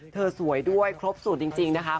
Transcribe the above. สวยด้วยครบสูตรจริงนะคะ